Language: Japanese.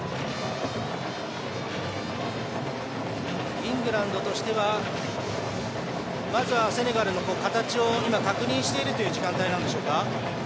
イングランドとしてはまずはセネガルの形を今、確認しているという時間帯なんでしょうか。